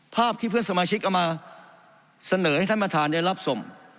ภาพที่เพื่อนสมาชิกเอามาเสนอให้ท่านประธานได้รับส่ง